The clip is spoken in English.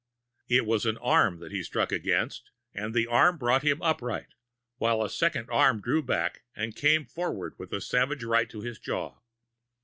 It was an arm that he struck against, and the arm brought him upright, while a second arm drew back and came forward with a savage right to his jaw.